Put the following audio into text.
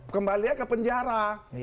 kembalinya ke penjara